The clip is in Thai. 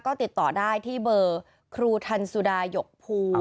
ก็ติดต่อได้ที่เบอร์ครูทันสุดาหยกภู